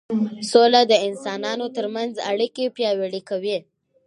سوله د انسانانو ترمنځ اړیکې پیاوړې کوي